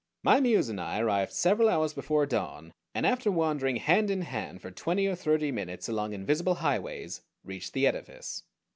My Muse and I arrived several hours before dawn, and after wandering hand in hand for twenty or thirty minutes along invisible highways reached the edifice.